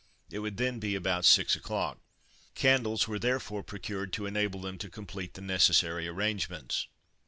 It would then be about six o'clock. Candles were therefore procured to enable them to complete the necessary arrangements.